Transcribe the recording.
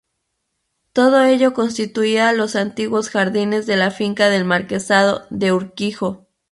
Todo ello constituía los antiguos jardines de la finca del Marquesado de Urquijo.